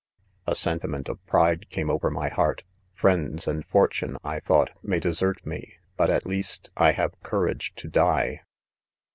i A sentiment of pride came over my heart. Friends, and fortune, I thought,, may desert me,— but at least, I have courage to die.